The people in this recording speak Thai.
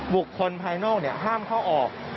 บุคคลภายนอกห้ามเข้าออก